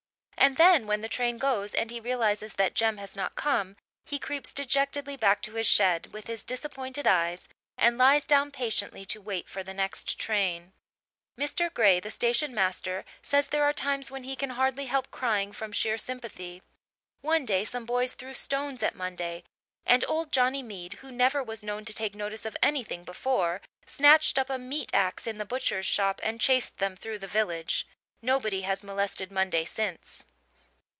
And then, when the train goes and he realizes that Jem has not come, he creeps dejectedly back to his shed, with his disappointed eyes, and lies down patiently to wait for the next train. Mr. Gray, the station master, says there are times when he can hardly help crying from sheer sympathy. One day some boys threw stones at Monday and old Johnny Mead, who never was known to take notice of anything before, snatched up a meat axe in the butcher's shop and chased them through the village. Nobody has molested Monday since.